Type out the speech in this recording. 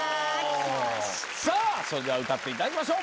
さあそれでは歌っていただきましょう。